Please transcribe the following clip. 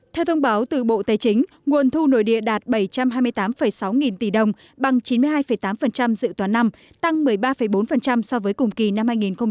theo thông báo từ bộ tài chính nguồn thu nội địa đạt bảy trăm hai mươi tám sáu nghìn tỷ đồng bằng chín mươi hai tám dự toán năm tăng một mươi ba bốn so với cùng kỳ năm hai nghìn một mươi tám